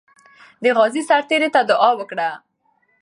دې غازي سرتیري ته دعا وکړه.